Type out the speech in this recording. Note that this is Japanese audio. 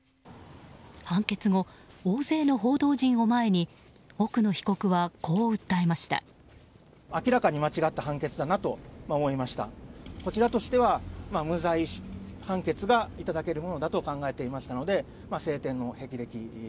判決後、大勢の報道陣を前に奥野被告はこう訴えました。